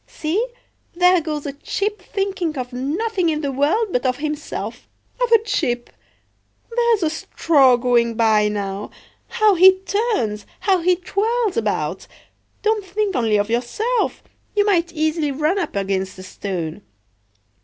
See, there goes a chip thinking of nothing in the world but of himself—of a chip! There's a straw going by now. How he turns! how he twirls about! Don't think only of yourself, you might easily run up against a stone.